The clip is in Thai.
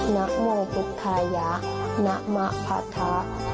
นะโมพุทธายะนะมะพะทะ